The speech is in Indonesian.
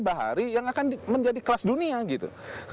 bahari yang akan menjadi kelas dunia gitu